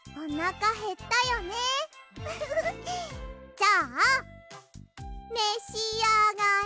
じゃあめしあがれ。